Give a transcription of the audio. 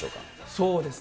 そうですね。